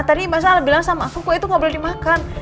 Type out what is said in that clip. tadi mas al bilang sama aku kue itu gak boleh dimakan